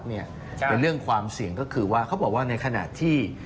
เป็นเรื่องความเสี่ยงก็คือว่าเขาบอกว่าในขณะที่